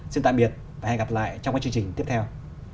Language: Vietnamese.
xin tạm biệt và hẹn gặp lại trong các chương trình tiếp theo